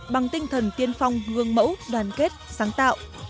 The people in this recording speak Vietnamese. bằng tinh thần tiên phong gương mẫu đoàn kết sáng tạo